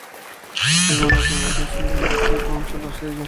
Según las "Memorias", ella no compró un solo sello.